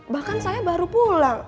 bahkan saya baru pulang